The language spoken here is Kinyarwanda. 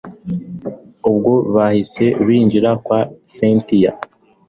ubwo bahise binjira kwa cyntia